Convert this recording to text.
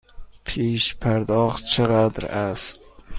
پیش پرداخت چقدر است؟